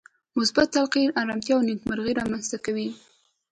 مثبت تلقين ارامتيا او نېکمرغي رامنځته کوي.